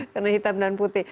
karena hitam dan putih